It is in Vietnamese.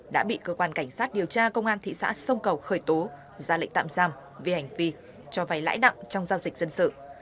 đã điều tra công an thị xã sông cầu khởi tố ra lệnh tạm giam về hành vi cho vai lãi nặng trong giao dịch dân sự